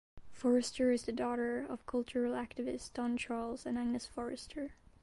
Forrester is the daughter of cultural activist Don Charles and Agnes Forrester.